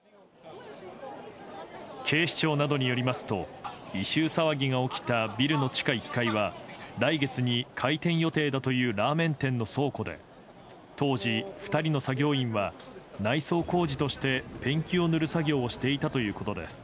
警視庁などによりますと、異臭騒ぎが起きたビルの地下１階は、来月に開店予定だというラーメン店の倉庫で、当時、２人の作業員は内装工事としてペンキを塗る作業をしていたということです。